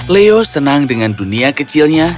leo senang dengan dunia kecilnya